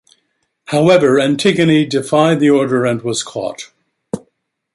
However, Antigone defied the order and was caught.